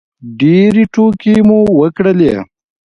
ډېرې ټوکې مو وکړلې.